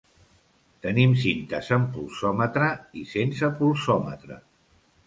Tenim cintes amb pulsòmetre i sense pulsòmetre.